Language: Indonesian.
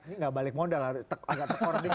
ini nggak balik modal agak tekor dikit